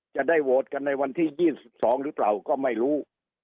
จะได้โหวตกันในวันที่๒๒หรือเปล่าก็ไม่รู้